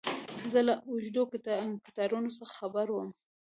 زه له اوږدو کتارونو څه خبر وم.